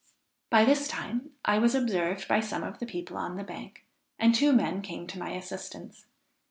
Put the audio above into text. By this time I was observed by some of the people on the bank, and two men came to my assistance.